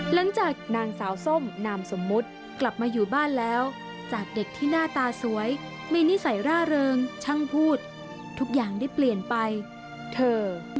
หลังจากนางสาวส้มนามสมมุติกลับมาอยู่บ้านแล้วจากเด็กที่หน้าตาสวยมีนิสัยร่าเริงช่างพูดทุกอย่างได้เปลี่ยนไปเธอ